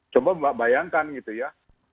coba bayangkan gitu ya